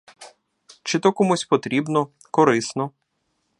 Чи то комусь потрібно, корисно?